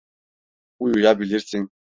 Uyuyabilirsin.